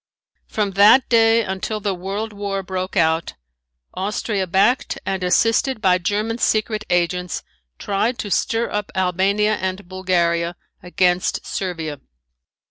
From that day until the world war broke out, Austria backed and assisted by German secret agents, tried to stir up Albania and Bulgaria against Servia.